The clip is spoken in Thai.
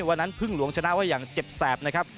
วันนั้นพึ่งหลวงชนะไว้อย่างเจ็บแสบนะครับ